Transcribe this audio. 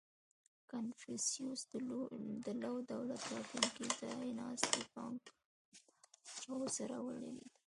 • کنفوسیوس د لو دولت راتلونکی ځایناستی یانګ هو سره ولیدل.